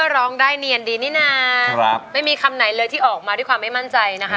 ร้องหายวันใดให้ฉันดูแลใจเธอ